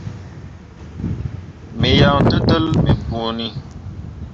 Me yan tǝtel me bõoni.